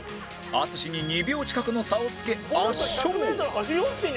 淳に２秒近くの差をつけ圧勝！